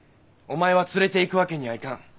お前は連れていくわけにはいかん。